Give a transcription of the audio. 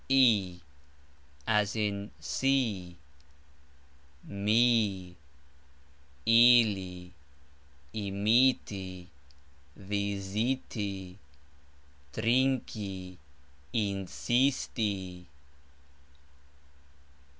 i (as in sEE), mi, I li, i MI ti, vi ZI ti, TRIN ki, in SIS ti.